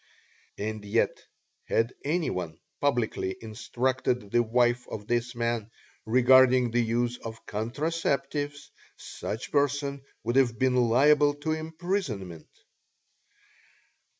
And yet had anyone publicly instructed the wife of this man regarding the use of contraceptives, such person would have been liable to imprisonment!